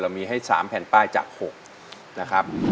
มีให้๓แผ่นป้ายจาก๖นะครับ